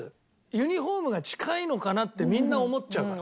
ユニフォームが近いのかなってみんな思っちゃうから。